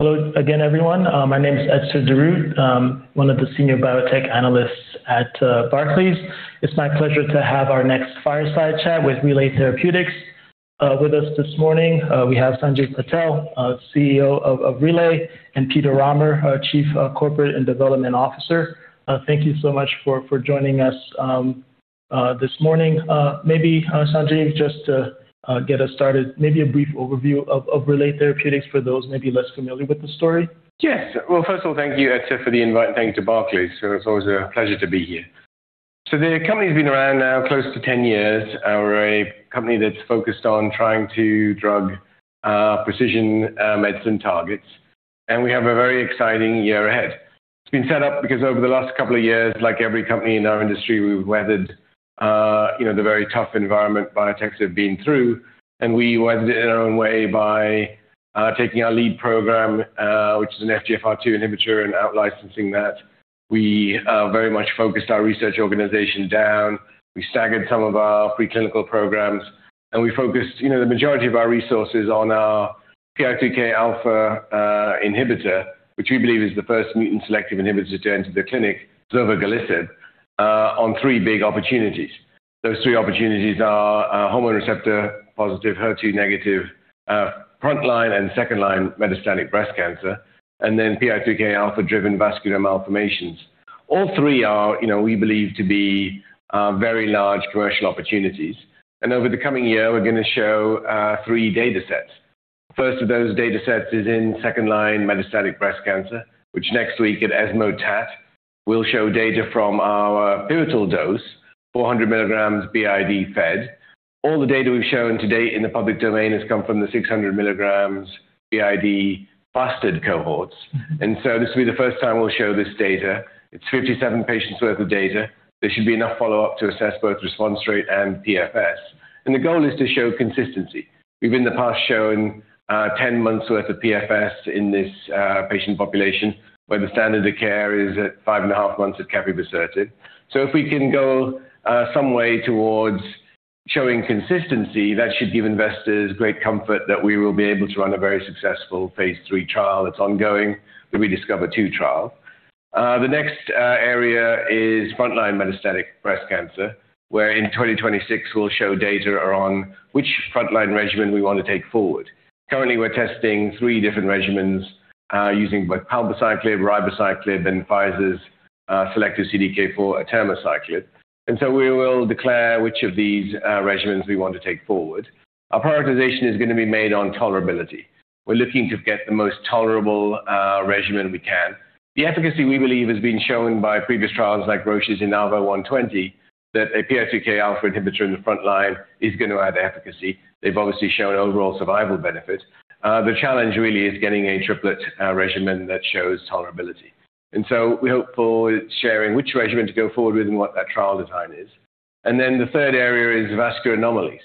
Hello again, everyone. My name is Etzer Darout. One of the senior biotech analysts at Barclays. It's my pleasure to have our next Fireside Chat with Relay Therapeutics. With us this morning, we have Sanjiv Patel, CEO of Relay, and Peter Rahmer, Chief Corporate Development Officer. Thank you so much for joining us this morning. Maybe, Sanjiv, just to get us started, maybe a brief overview of Relay Therapeutics for those maybe less familiar with the story. Yes. Well, first of all, thank you, Etzer, for the invite, and thank you to Barclays. It's always a pleasure to be here. The company's been around now close to 10 years. We're a company that's focused on trying to drug precision medicine targets. We have a very exciting year ahead. It's been set up because over the last couple of years, like every company in our industry, we've weathered you know the very tough environment biotechs have been through. We weathered it in our own way by taking our lead program, which is an FGFR2 inhibitor, and out-licensing that. We very much focused our research organization down. We staggered some of our preclinical programs, and we focused the majority of our resources on our PI3K alpha inhibitor, which we believe is the first mutant selective inhibitor to enter the clinic, zovegalisib, on three big opportunities. Those three opportunities are hormone receptor-positive, HER2 negative front line and second line metastatic breast cancer, and then PI3K alpha-driven vascular malformations. All three are we believe to be very large commercial opportunities. Over the coming year, we're going to show three datasets. First of those datasets is in second line metastatic breast cancer, which next week at ESMO TAT, we'll show data from our pivotal dose, 400 milligrams BID fed. All the data we've shown to date in the public domain has come from the 600 milligrams BID fasted cohorts. This will be the first time we'll show this data. It's 57 patients worth of data. There should be enough follow-up to assess both response rate and PFS. The goal is to show consistency. We've in the past shown 10 months worth of PFS in this patient population, where the standard of care is at 5.5 months of capivasertib. If we can go some way towards showing consistency, that should give investors great comfort that we will be able to run a very successful Phase III trial that's ongoing, the ReDiscover-2 trial. The next area is frontline metastatic breast cancer, where in 2026, we'll show data around which frontline regimen we want to take forward. Currently, we're testing three different regimens using both palbociclib, ribociclib, and Pfizer's selective CDK4 atirmociclib. We will declare which of these regimens we want to take forward. Our prioritization is going to be made on tolerability. We're looking to get the most tolerable regimen we can. The efficacy, we believe, has been shown by previous trials like Roche's INAVO120, that a PI3Kα inhibitor in the front line is going to add efficacy. They've obviously shown overall survival benefit. The challenge really is getting a triplet regimen that shows tolerability. We're hopeful sharing which regimen to go forward with and what that trial design is. Then the third area is vascular anomalies.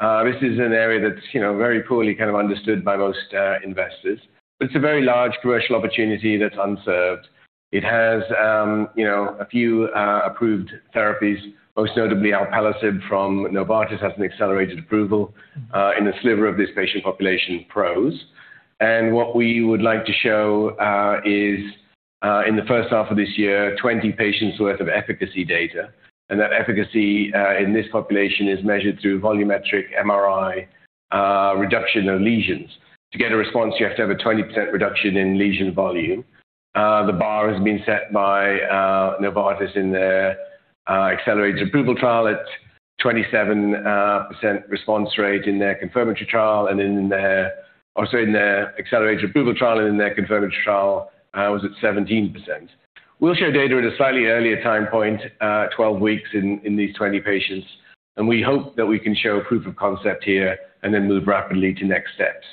This is an area that's very poorly kind of understood by most investors, but it's a very large commercial opportunity that's unserved. It has a few approved therapies, most notably alpelisib from Novartis has an accelerated approval in a sliver of this patient population PROS. What we would like to show is in the first half of this year, 20 patients worth of efficacy data. That efficacy in this population is measured through volumetric MRI reduction of lesions. To get a response, you have to have a 20% reduction in lesion volume. The bar has been set by Novartis in their accelerated approval trial at 27% response rate, and in their confirmatory trial was at 17%. We'll show data at a slightly earlier time point, 12 weeks in these 20 patients, and we hope that we can show proof of concept here and then move rapidly to next steps.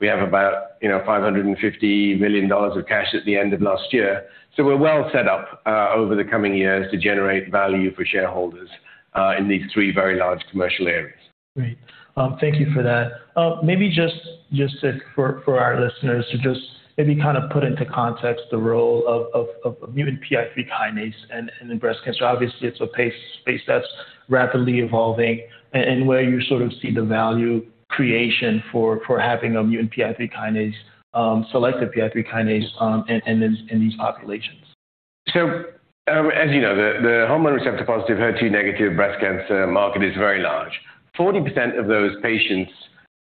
We have about $550 million of cash at the end of last year, so we're well set up, over the coming years to generate value for shareholders, in these three very large commercial areas. Great. Thank you for that. Maybe just for our listeners to just maybe kind of put into context the role of mutant PI3 kinase in breast cancer. Obviously, it's a space that's rapidly evolving and where you sort of see the value creation for having a mutant PI3 kinase selective PI3 kinase in these populations. As the hormone receptor-positive, HER2-negative breast cancer market is very large. 40% of those patients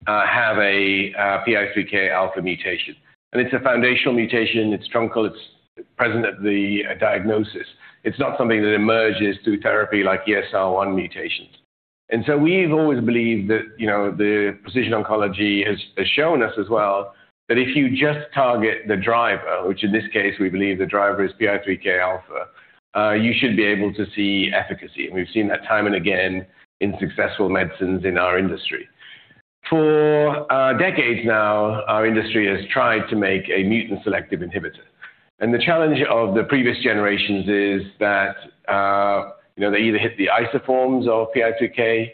have a PI3Kα mutation, and it's a foundational mutation. It's truncal, it's present at the diagnosis. It's not something that emerges through therapy like ESR1 mutations. We've always believed that the precision oncology has shown us as well that if you just target the driver, which in this case we believe the driver is PI3Kα, you should be able to see efficacy. We've seen that time and again in successful medicines in our industry. For decades now, our industry has tried to make a mutant selective inhibitor. The challenge of the previous generations is that they either hit the isoforms of PI3K,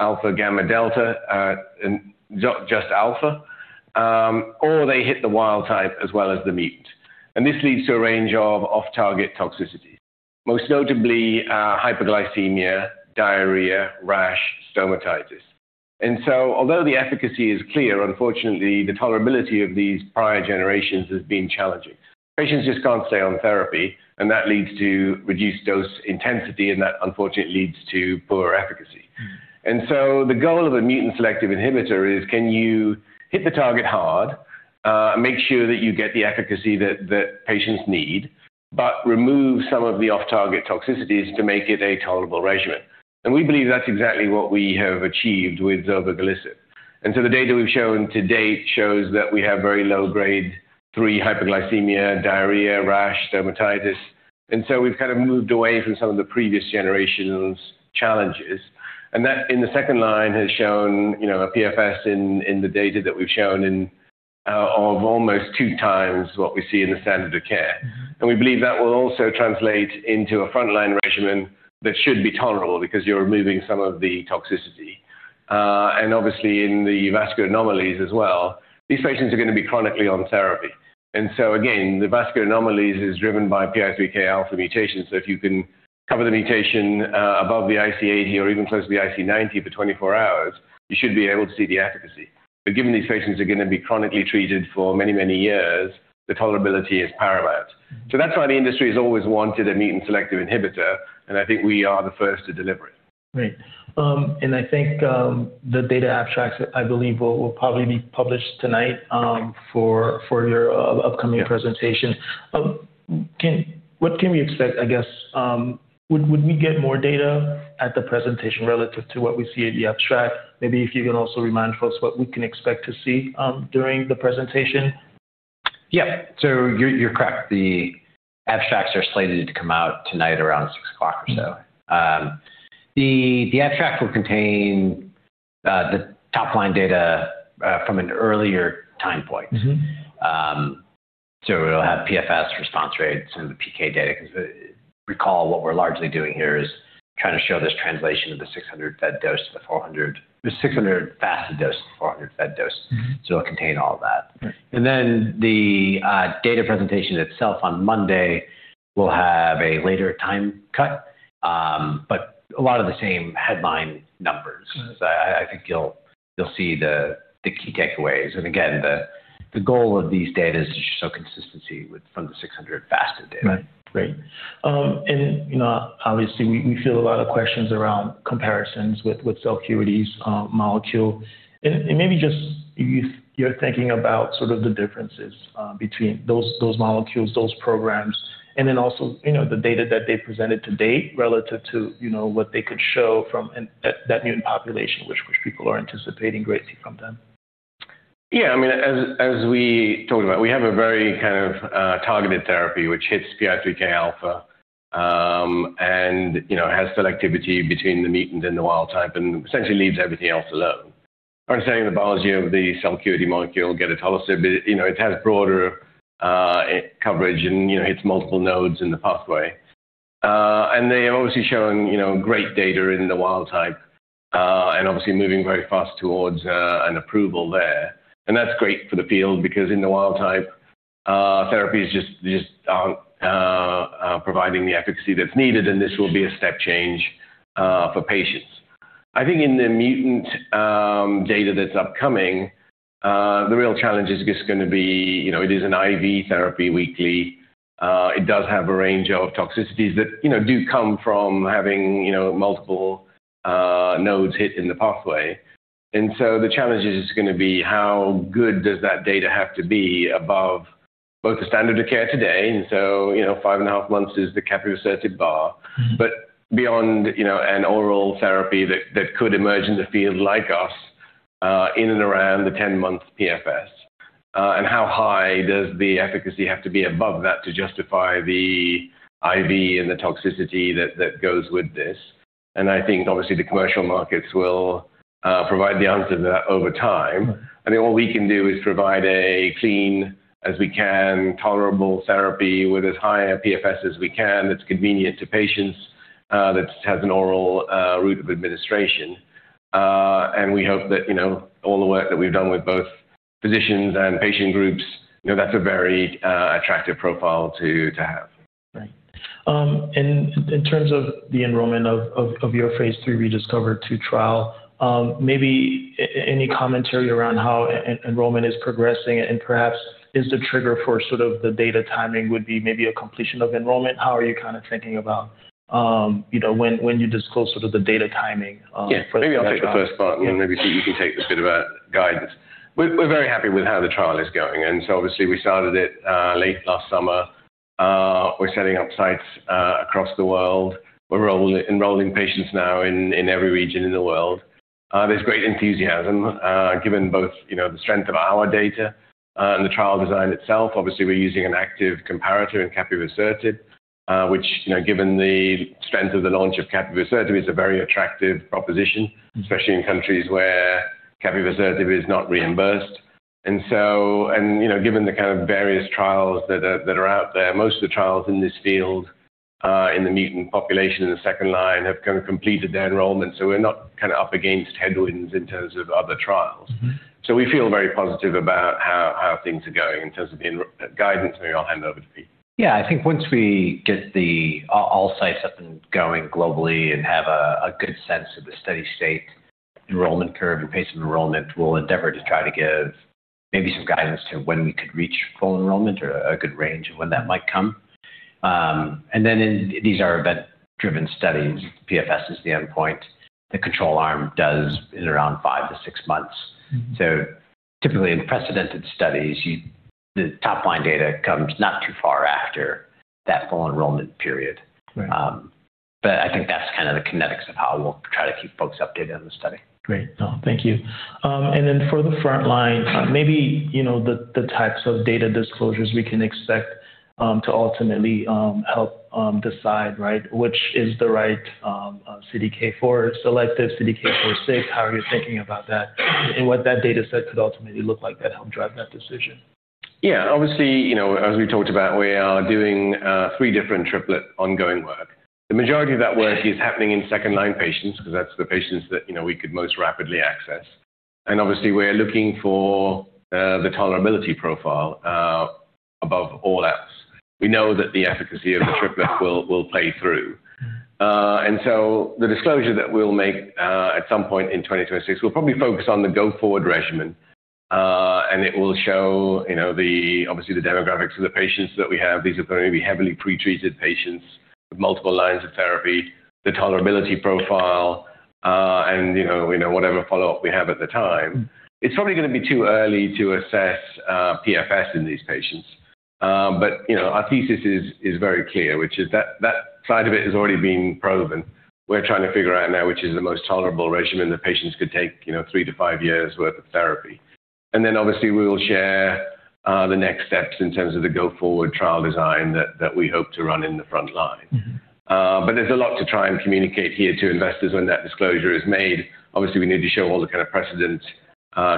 alpha, gamma, delta, and just alpha, or they hit the wild type as well as the mutant. This leads to a range of off-target toxicities. Most notably, hyperglycemia, diarrhea, rash, stomatitis. Although the efficacy is clear, unfortunately, the tolerability of these prior generations has been challenging. Patients just can't stay on therapy, and that leads to reduced dose intensity, and that unfortunately leads to poorer efficacy. Mm-hmm. The goal of a mutant selective inhibitor is can you hit the target hard, make sure that you get the efficacy that patients need, but remove some of the off-target toxicities to make it a tolerable regimen. We believe that's exactly what we have achieved with zovegalisib. The data we've shown to date shows that we have very low grade 3 hyperglycemia, diarrhea, rash, dermatitis. We've kind of moved away from some of the previous generations' challenges. That, in the second line, has shown a PFS in the data that we've shown of almost two times what we see in the standard of care. We believe that will also translate into a frontline regimen that should be tolerable because you're removing some of the toxicity. Obviously in the vascular anomalies as well, these patients are going to be chronically on therapy. Again, the vascular anomalies is driven by PI3Kα mutation, so if you can cover the mutation above the IC80 or even close to the IC90 for 24 hours, you should be able to see the efficacy. Given these patients are going to be chronically treated for many, many years, the tolerability is paramount. That's why the industry has always wanted a mutant selective inhibitor, and I think we are the first to deliver it. Right. I think the data abstracts I believe will probably be published tonight for your upcoming Yeah. Presentation. What can we expect, I guess? Would we get more data at the presentation relative to what we see at the abstract? Maybe if you can also remind folks what we can expect to see during the presentation. Yeah. You're correct. The abstracts are slated to come out tonight around 6:00 P.M. or so. Mm-hmm. The abstract will contain the top-line data from an earlier time point. Mm-hmm. It'll have PFS response rates and the PK data. 'Cause recall what we're largely doing here is trying to show this translation of the 600 fasted dose to the 400 fed dose. Mm-hmm. It'll contain all of that. Right. The data presentation itself on Monday will have a later time cut, but a lot of the same headline numbers. Mm-hmm. I think you'll see the key takeaways. Again, the goal of these data is to show consistency from the 600 fasted data. Right. Great. obviously we field a lot of questions around comparisons with Cellgevity's molecule. Maybe just if you're thinking about sort of the differences between those molecules, those programs, and then also the data that they presented to date relative to what they could show at that mutant population, which people are anticipating greatly from them. Yeah. I mean, as we talked about, we have a very kind of targeted therapy which hits PI3Kα, and you know has selectivity between the mutant and the wild type and essentially leaves everything else alone. As far as the biology of the selectivity, get it totally. But you know it has broader coverage and you know hits multiple nodes in the pathway. They have obviously shown you know great data in the wild type and obviously moving very fast towards an approval there. That's great for the field because in the wild type, therapies just aren't providing the efficacy that's needed, and this will be a step change for patients. I think in the mutant data that's upcoming, the real challenge is just going to be it is an IV therapy weekly. It does have a range of toxicities that do come from having multiple nodes hit in the pathway. The challenge is just going to be how good does that data have to be above both the standard of care today, and so 5.5 months is the capivasertib bar. Mm-hmm. beyond an oral therapy that could emerge in the field like us in and around the 10-month PFS. How high does the efficacy have to be above that to justify the IV and the toxicity that goes with this. I think obviously the commercial markets will provide the answer to that over time. I think what we can do is provide a clean as we can tolerable therapy with as high a PFS as we can that's convenient to patients that has an oral route of administration. We hope that all the work that we've done with both physicians and patient groups that's a very attractive profile to have. Right. In terms of the enrollment of your Phase III ReDiscover-2 trial, maybe any commentary around how enrollment is progressing and perhaps is the trigger for sort of the data timing would be maybe a completion of enrollment. How are you kinda thinking about when you disclose sort of the data timing, for the- Yeah. Maybe I'll take the first part and then maybe Pete can take the bit about guidance. We're very happy with how the trial is going. Obviously we started it late last summer. We're setting up sites across the world. We're enrolling patients now in every region in the world. There's great enthusiasm given both the strength of our data and the trial design itself. Obviously, we're using an active comparator in capivasertib, which given the strength of the launch of capivasertib is a very attractive proposition. Mm-hmm. Especially in countries where capivasertib is not reimbursed. given the kind of various trials that are out there, most of the trials in this field in the mutant population in the second line have kind of completed their enrollment, so we're not kinda up against headwinds in terms of other trials. Mm-hmm. We feel very positive about how things are going in terms of guidance. Maybe I'll hand over to Pete. Yeah. I think once we get all sites up and going globally and have a good sense of the steady state enrollment curve and pace of enrollment, we'll endeavor to try to give maybe some guidance to when we could reach full enrollment or a good range of when that might come. These are event-driven studies. PFS is the endpoint the control arm does in around 5-6 months. Mm-hmm. Typically in precedented studies, the top line data comes not too far after that full enrollment period. Right. I think that's kind of the kinetics of how we'll try to keep folks updated on the study. Great. No, thank you. For the front line, maybe the types of data disclosures we can expect to ultimately help decide, right, which is the right CDK4 selective CDK4/6. How are you thinking about that and what that data set could ultimately look like that help drive that decision? Yeah, obviously as we talked about, we are doing three different triplet ongoing work. The majority of that work is happening in second-line patients because that's the patients that we could most rapidly access. Obviously, we're looking for the tolerability profile above all else. We know that the efficacy of the triplet will play through. The disclosure that we'll make at some point in 2026 will probably focus on the go-forward regimen, and it will show obviously the demographics of the patients that we have. These are going to be heavily pretreated patients with multiple lines of therapy, the tolerability profile, and whatever follow-up we have at the time. It's probably going to be too early to assess PFS in these patients. You know, our thesis is very clear, which is that that side of it has already been proven. We're trying to figure out now, which is the most tolerable regimen that patients could take 3-5 years' worth of therapy. Obviously we will share the next steps in terms of the go-forward trial design that that we hope to run in the front line. There's a lot to try and communicate here to investors when that disclosure is made. Obviously, we need to show all the kind of precedent,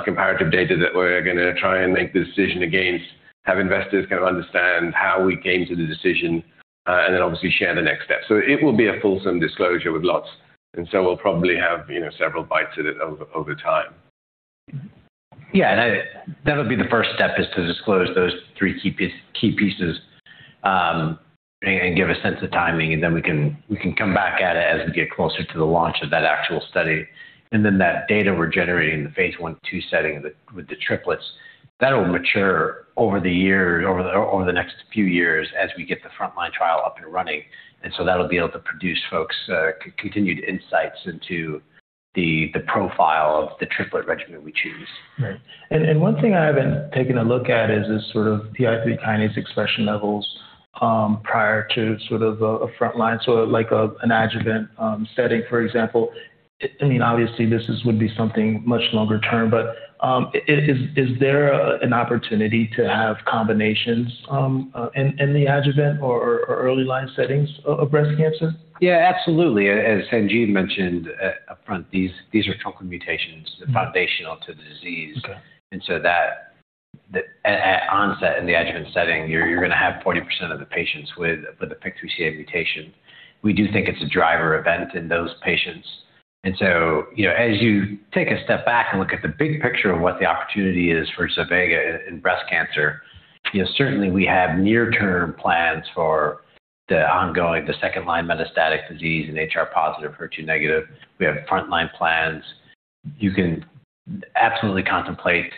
comparative data that we're going to try and make the decision against, have investors kind of understand how we came to the decision, and then obviously share the next step. It will be a fulsome disclosure with lots. We'll probably have several bites at it over time. Yeah. That'll be the first step is to disclose those three key pieces and give a sense of timing, and then we can come back at it as we get closer to the launch of that actual study. That data we're generating in the Phase I, two setting with the triplets, that'll mature over the next few years as we get the frontline trial up and running. That'll be able to provide folks continued insights into the profile of the triplet regimen we choose. Right. One thing I haven't taken a look at is this sort of PI3 kinase expression levels prior to sort of a frontline, so like an adjuvant setting, for example. I mean, obviously would be something much longer term, but is there an opportunity to have combinations in the adjuvant or early line settings of breast cancer? Yeah, absolutely. As Sanjiv mentioned upfront, these are truncal mutations foundational to the disease. Okay. At onset in the adjuvant setting, you're going to have 40% of the patients with a PIK3CA mutation. We do think it's a driver event in those patients. as you take a step back and look at the big picture of what the opportunity is for zovegalisib in breast cancer certainly we have near-term plans for the ongoing second line metastatic disease in HR-positive, HER2-negative. We have frontline plans. You can absolutely contemplate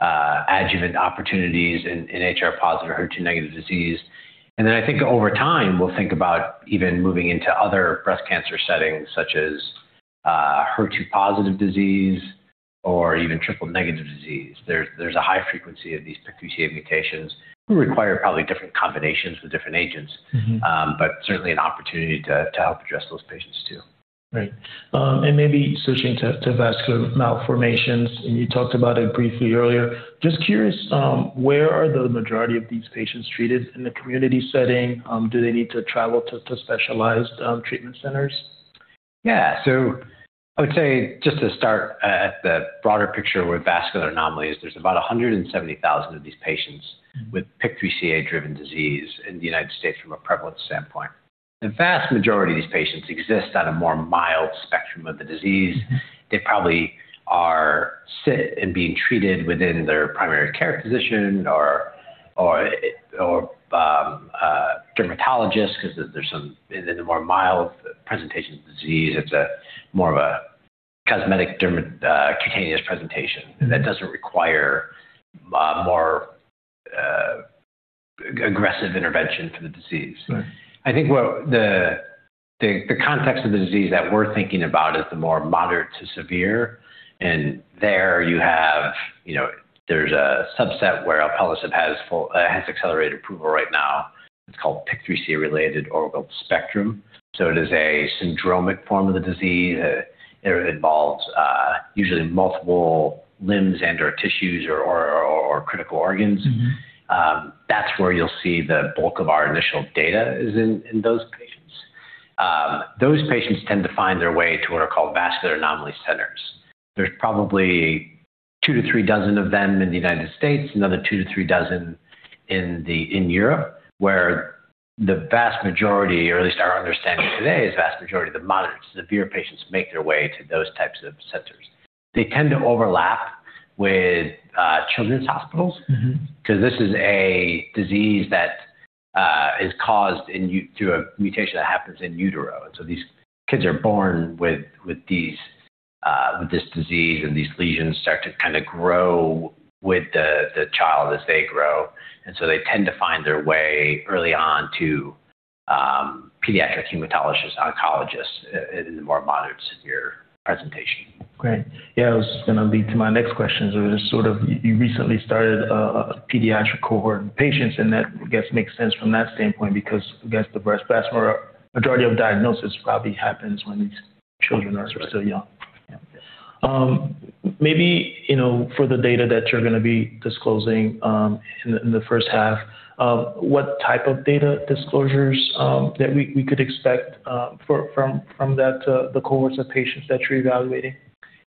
adjuvant opportunities in HR-positive, HER2-negative disease. I think over time, we'll think about even moving into other breast cancer settings such as HER2-positive disease or even triple-negative disease. There's a high frequency of these PIK3CA mutations who require probably different combinations with different agents. Mm-hmm. Certainly an opportunity to help address those patients too. Right. Maybe switching to vascular malformations, and you talked about it briefly earlier. Just curious, where are the majority of these patients treated in the community setting? Do they need to travel to specialized treatment centers? Yeah. I would say just to start at the broader picture with vascular anomalies, there's about 170,000 of these patients. Mm-hmm. With PIK3CA-driven disease in the United States from a prevalence standpoint. The vast majority of these patients exist on a more mild spectrum of the disease. They probably are seen and being treated within their primary care physician or dermatologist because in the more mild presentation of the disease, it's more of a cosmetic cutaneous presentation that doesn't require more aggressive intervention for the disease. Right. I think what the context of the disease that we're thinking about is the more moderate to severe. There you have there's a subset where alpelisib has accelerated approval right now. It's called PIK3CA-related overgrowth spectrum. It is a syndromic form of the disease. It involves usually multiple limbs and/or tissues or critical organs. Mm-hmm. That's where you'll see the bulk of our initial data is in those patients. Those patients tend to find their way to what are called vascular anomaly centers. There's probably 2-3 dozen of them in the United States, another 2-3 dozen in Europe, where the vast majority, or at least our understanding today, is vast majority of the moderate to severe patients make their way to those types of centers. They tend to overlap with children's hospitals. Mm-hmm. 'Cause this is a disease that is caused through a mutation that happens in utero. These kids are born with this disease, and these lesions start to kinda grow with the child as they grow. They tend to find their way early on to pediatric hematologist oncologists in the more moderate, severe presentation. Great. Yeah, it was going to lead to my next question. It is sort of you recently started a pediatric cohort in patients, and that I guess makes sense from that standpoint because I guess the breast cancer majority of diagnosis probably happens when these children are still young. That's right. Yeah. maybe for the data that you're going to be disclosing in the first half, what type of data disclosures that we could expect from that, the cohorts of patients that you're evaluating?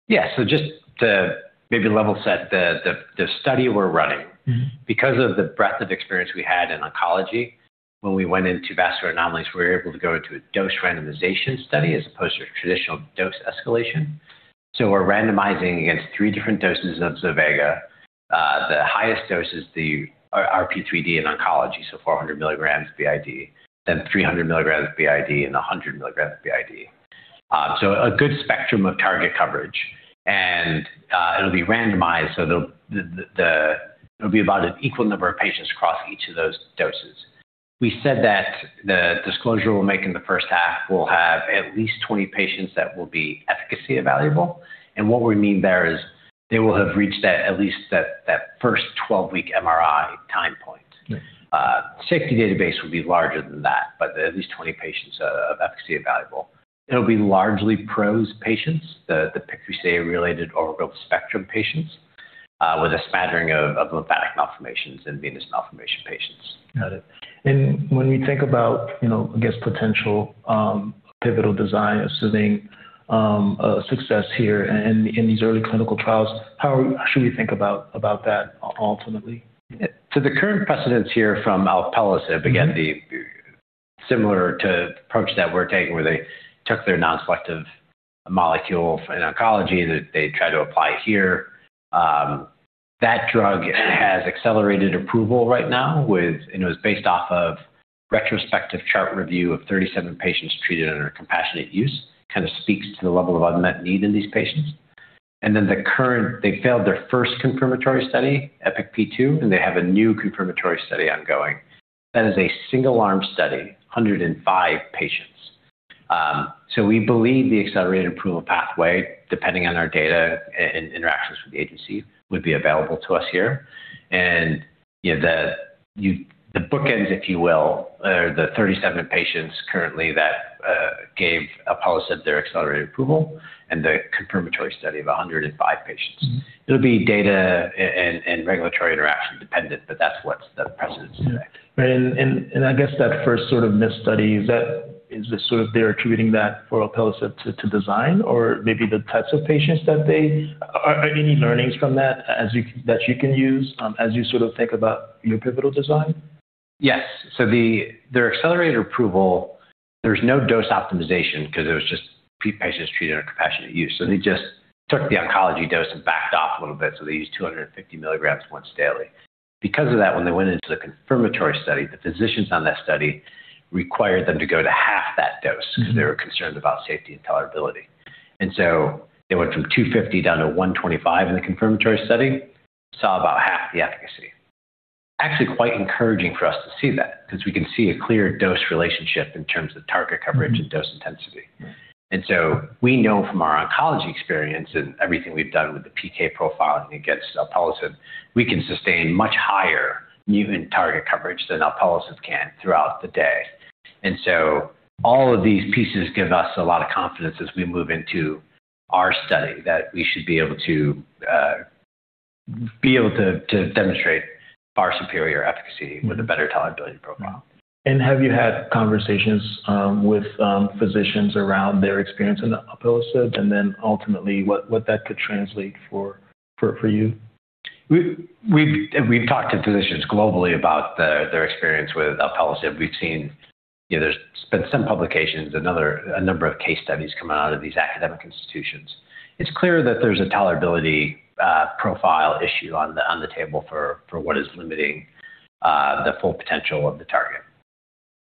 Yeah. Just to maybe level set the study we're running. Mm-hmm. Because of the breadth of experience we had in oncology, when we went into vascular anomalies, we were able to go into a dose randomization study as opposed to a traditional dose escalation. We're randomizing against three different doses of zovegalisib. The highest dose is our RP3D in oncology, so 400 milligrams BID, then 300 milligrams BID and 100 milligrams BID. So a good spectrum of target coverage. It'll be randomized, so about an equal number of patients across each of those doses. We said that the disclosure we'll make in the first half will have at least 20 patients that will be efficacy evaluable. What we mean there is they will have reached at least that first 12-week MRI time point. Nice. Safety database will be larger than that, but at least 20 patients of efficacy evaluable. It'll be largely PROS patients, the PIK3CA-related overgrowth spectrum patients, with a smattering of lymphatic malformations and venous malformation patients. Got it. When we think about I guess, potential pivotal design, assuming a success here in these early clinical trials, how should we think about that ultimately? The current precedent here from alpelisib, again, similar to the approach that we're taking where they took their non-selective molecule in oncology that they tried to apply here. That drug has accelerated approval right now. It was based off of a retrospective chart review of 37 patients treated under compassionate use. Kind of speaks to the level of unmet need in these patients. They failed their first confirmatory study, EPIK-P2, and they have a new confirmatory study ongoing. That is a single-arm study, 105 patients. We believe the accelerated approval pathway, depending on our data and interactions with the agency, would be available to us here. The bookends, if you will, of the 37 patients currently that gave alpelisib their accelerated approval and the confirmatory study of 105 patients. Mm-hmm. It'll be data and regulatory interaction dependent, but that's what's the precedent today. Yeah. I guess that first sort of missed study, is that they're attributing that of alpelisib to design or maybe the types of patients that they? Are there any learnings from that that you can use as you sort of think about your pivotal design? Yes. Their accelerated approval, there's no dose optimization 'cause it was just patients treated under compassionate use. They just took the oncology dose and backed off a little bit. They used 250 milligrams once daily. Because of that, when they went into the confirmatory study, the physicians on that study required them to go to half that dose 'cause they were concerned about safety and tolerability. They went from 250 down to 125 in the confirmatory study, saw about half the efficacy. Actually quite encouraging for us to see that 'cause we can see a clear dose relationship in terms of target coverage and dose intensity. Mm-hmm. We know from our oncology experience and everything we've done with the PK profiling against alpelisib, we can sustain much higher PI3K and target coverage than alpelisib can throughout the day. All of these pieces give us a lot of confidence as we move into our study that we should be able to demonstrate our superior efficacy with a better tolerability profile. Have you had conversations with physicians around their experience in the alpelisib, and then ultimately what that could translate for you? We've talked to physicians globally about their experience with alpelisib. We've seen there's been some publications, a number of case studies coming out of these academic institutions. It's clear that there's a tolerability profile issue on the table for what is limiting the full potential of the target.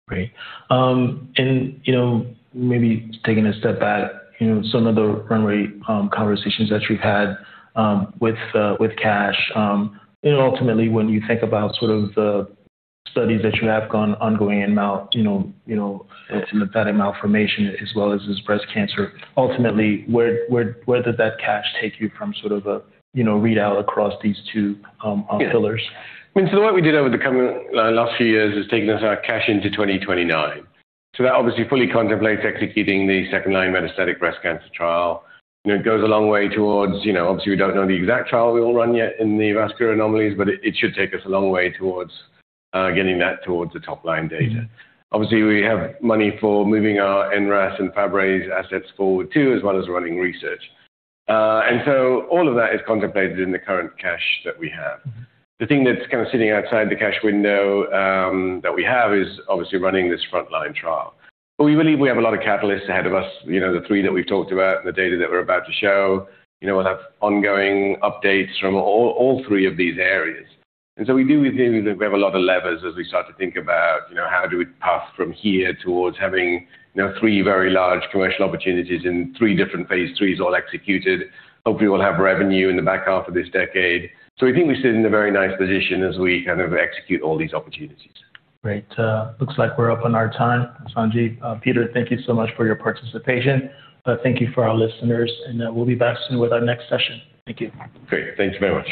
Great. maybe taking a step back some of the runway conversations that you've had with cash, and ultimately when you think about sort of the studies that you have going on in lymphatic malformation as well as breast cancer, ultimately, where did that cash take you from sort of a readout across these two pillars? Yeah. I mean, what we did over the last few years has taken our cash into 2029. That obviously fully contemplates executing the second line metastatic breast cancer trial. it goes a long way towards obviously, we don't know the exact trial we will run yet in the vascular anomalies, but it should take us a long way towards getting that towards the top line data. Mm-hmm. Obviously, we have money for moving our NRAS and Fabry's assets forward too, as well as running research. All of that is contemplated in the current cash that we have. The thing that's kinda sitting outside the cash window that we have is obviously running this frontline trial. We believe we have a lot of catalysts ahead of us the three that we've talked about and the data that we're about to show. We'll have ongoing updates from all three of these areas. We do believe that we have a lot of levers as we start to think about how do we path from here towards having three very large commercial opportunities in three different Phase threes all executed. Hopefully, we'll have revenue in the back half of this decade. We think we sit in a very nice position as we kind of execute all these opportunities. Great. Looks like we're up on our time, Sanjiv. Peter, thank you so much for your participation. Thank you for our listeners, and we'll be back soon with our next session. Thank you. Great. Thanks very much.